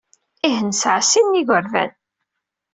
Ih, nesɛa sin n yigerdan.